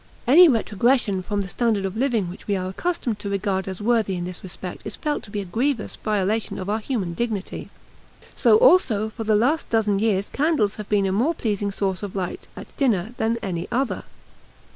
Any retrogression from the standard of living which we are accustomed to regard as worthy in this respect is felt to be a grievous violation of our human dignity. So, also, for the last dozen years candles have been a more pleasing source of light at dinner than any other.